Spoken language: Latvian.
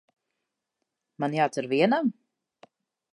Man jādzer vienam?